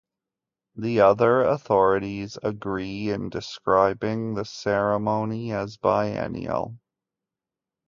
The other authorities agree in describing the ceremony as biennial.